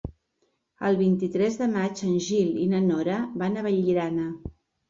El vint-i-tres de maig en Gil i na Nora van a Vallirana.